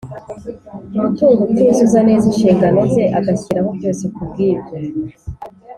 umutungo utuzuza neza inshingano ze agashyiraho byose ku bwibyo